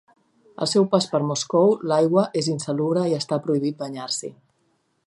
Al seu pas per Moscou l'aigua és insalubre i està prohibit banyar-s'hi.